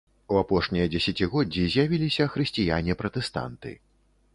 У апошнія дзесяцігоддзі з'явіліся хрысціяне-пратэстанты.